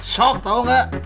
shok tau nggak